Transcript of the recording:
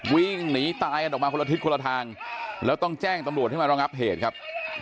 วิ่งหนีตายกันออกมาคนละทิศคนละทางแล้วต้องแจ้งตำรวจให้มารองับเหตุครับ